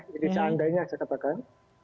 jadi seandainya saya katakan